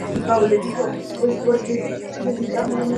Sí, no ha sido tocado por humanos manos.